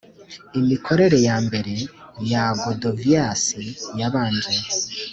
Imikorere ya mbere ya Godovius yabanje